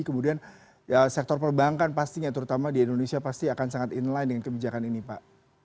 kemudian sektor perbankan pastinya terutama di indonesia pasti akan sangat inline dengan kebijakan ini pak